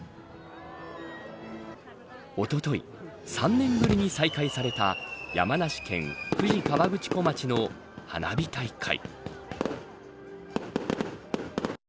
おととい３年ぶりに再開された山梨県富士河口湖町の花火大会。